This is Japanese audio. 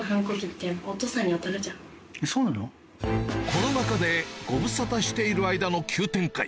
コロナ禍でご無沙汰している間の急展開